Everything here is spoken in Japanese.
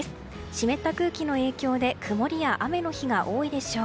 湿った空気の影響で曇りや雨の日が多いでしょう。